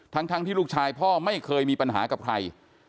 ทั้งที่ลูกชายพ่อไม่เคยมีปัญหากับใคร